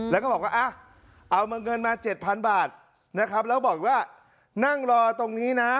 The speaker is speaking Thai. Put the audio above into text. แล้วก็บอกว่าเอามาเงินมา๗๐๐บาทนะครับแล้วบอกว่านั่งรอตรงนี้นะ